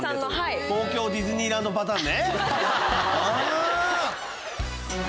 東京ディズニーランドパターンね。